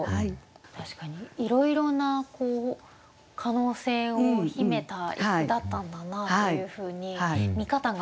確かにいろいろな可能性を秘めた一句だったんだなというふうに見方が変わりました。